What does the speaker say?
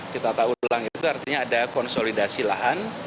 ditata ulang itu artinya ada konsolidasi lahan